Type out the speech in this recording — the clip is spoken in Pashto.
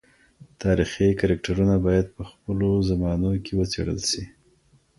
تاریخي کرکټرونه باید په خپلو زمانو کي وڅېړل سي.